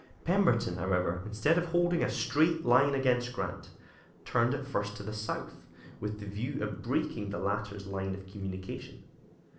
Pemberton, however, instead of holding a straight line against Grant, turned at first to the south, with the view of breaking the latter's line of communication.